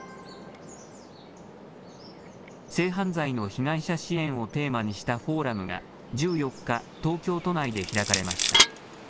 性犯罪の被害者支援をテーマにしたフォーラムが、１４日、東京都内で開かれました。